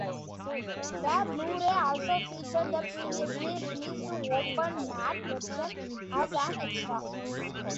The Blu-ray also featured the previously released open matte version as an extra.